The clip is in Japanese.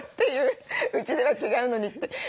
うちでは違うのにって。